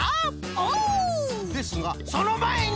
オ！ですがそのまえに！